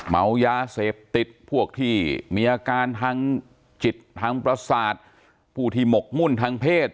เมายาเสพติดพวกที่มีอาการทางจิตทางประสาทผู้ที่หมกมุ่นทางเพศ